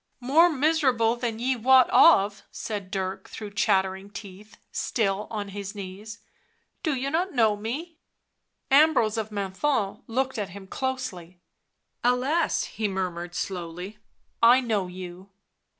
" More miserable than ye wot of," said Dirk, through chattering teeth, still on his knees. " Do you not know me ?" Ambrose of Menthon looked at him closely. £f Alas !" he murmured slowly, " I know you."